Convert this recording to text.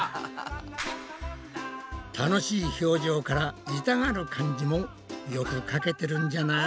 楽しい表情から痛がる感じもよくかけてるんじゃない？